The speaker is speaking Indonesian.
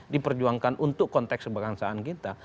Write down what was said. diperjuangkan untuk konteks kebangsaan kita